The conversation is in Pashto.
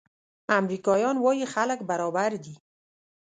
امریکایان وايي خلک برابر دي.